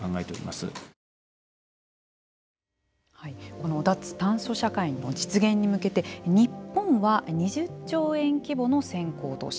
この脱炭素社会の実現に向けて日本は２０兆円規模の先行投資